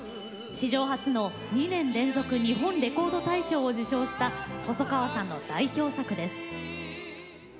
史上初の２年連続日本レコード大賞を受賞した細川さんの代表作です。